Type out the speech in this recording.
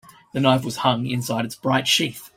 The knife was hung inside its bright sheath.